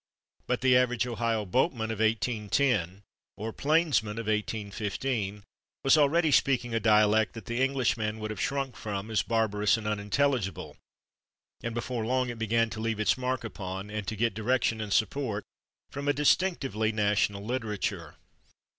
But the average Ohio boatman of 1810 or plainsman of 1815 was already speaking a dialect that the Englishman would have shrunk from as barbarous and unintelligible, and before long it began to leave [Pg067] its mark upon and to get direction and support from a distinctively national literature.